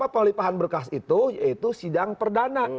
pelimpahan berkas itu yaitu sidang perdana